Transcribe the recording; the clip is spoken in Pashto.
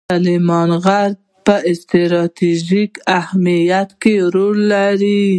سلیمان غر په ستراتیژیک اهمیت کې رول لري.